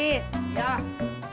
selamat datang di parkiran kami